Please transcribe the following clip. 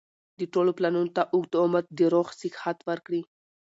د ټولو پلانونو ته اوږد عمر د روغ صحت ورکړي